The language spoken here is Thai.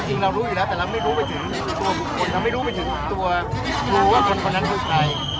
จริงเรารู้อยู่แล้วแต่เราไม่รู้ไปถึงตัวบุคคลเราไม่รู้ไปถึงตัวรู้ว่าคนคนนั้นคือใคร